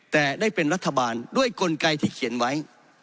แต่ได้เป็นรัฐบาลด้วยกลไกที่เขียนไว้